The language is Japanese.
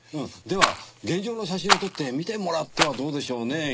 では現状の写真を撮って見てもらってはどうでしょうね？